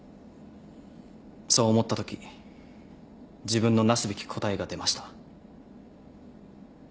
そう思ったとき自分のなすべき答えが出ました。